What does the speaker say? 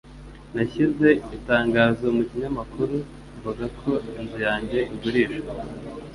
Nashyize itangazo mu kinyamakuru mvuga ko inzu yanjye igurishwa.